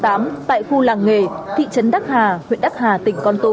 tại khu làng nghề thị trấn đắc hà huyện đắc hà tỉnh con tum